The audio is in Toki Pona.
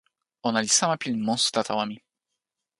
ona li sama pilin monsuta tawa mi.